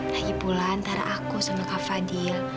hiburan antara aku sama kak fadil